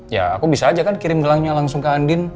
ya aku bisa aja kan kirim gelangnya langsung ke andin